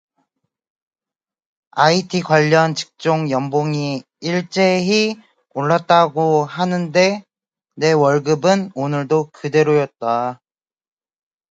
아이티 관련 직종 연봉이 일제히 올랐다고 하는데 내 월급은 오늘도 그대로였다.